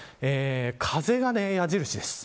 風が矢印です。